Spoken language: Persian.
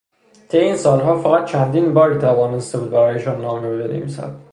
طی این سالها فقط چند باری توانسته بود برایشان نامه بنویسد.